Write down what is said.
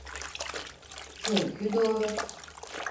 Çünkü doğru.